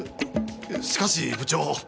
しかし部長。